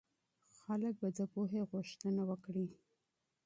خلک به د پوهې غوښتنه وکړي.